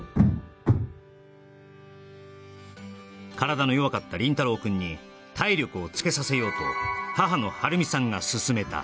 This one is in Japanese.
体の弱かった倫太郎くんに体力をつけさせようと母の晴美さんが勧めた